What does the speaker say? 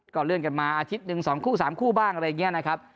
เลื่อนกันมาอาทิตย์หนึ่ง๒คู่๓คู่บ้างอะไรอย่างนี้นะครับ